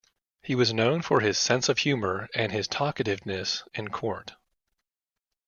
He was known for his sense of humour and his talkativeness in court.